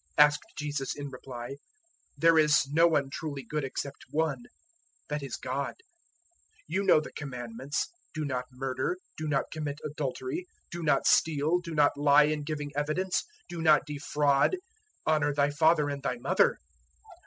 asked Jesus in reply; "there is no one truly good except One that is, God. 010:019 You know the Commandments 'Do not murder;' 'Do not commit adultery;' 'Do not steal;' 'Do not lie in giving evidence;' 'Do not defraud;' 'Honour thy father and thy mother.'"